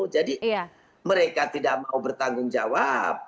jadi mereka tidak mau bertanggung jawab